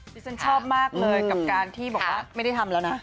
ฉันชอบมากเลยกับการที่บอกว่าไม่ได้ทำแล้วนะ